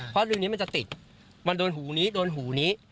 เพราะลือนี้มันจะติดมันโดนหูนี้โดนหูนี้